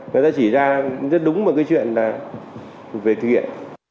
người ta chỉ ra rất đúng vào cái chuyện là về thực hiện